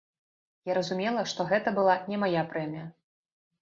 Я разумела, што гэта была не мая прэмія.